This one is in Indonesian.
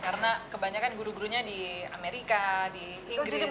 karena kebanyakan guru gurunya di amerika di inggris